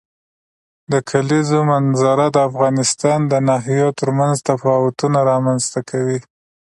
د کلیزو منظره د افغانستان د ناحیو ترمنځ تفاوتونه رامنځ ته کوي.